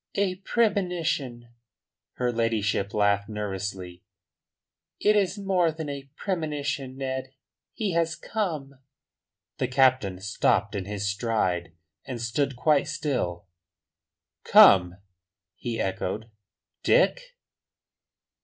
"A premonition!" Her ladyship laughed nervously. "It is more than a premonition, Ned. He has come." The captain stopped in his stride, and stood quite still. "Come?" he echoed. "Dick?"